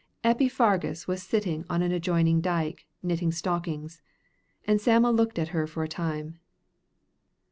Eppie Fargus was sitting on an adjoining dike, knitting stockings, and Sam'l looked at her for a time.